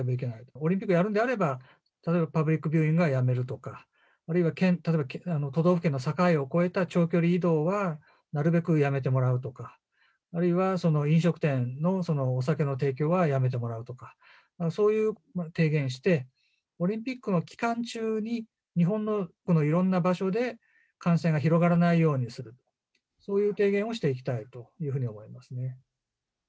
オリンピックをやるんであれば、例えばパブリックビューイングはやめるとか、あるいは例えば都道府県の境を越えた長距離移動はなるべくやめてもらうとか、あるいは飲食店のお酒の提供はやめてもらうとか、そういう提言をして、オリンピックの期間中に、日本のいろんな場所で感染が広がらないようにする、そういう提言をしていきたいというふうに思いますね。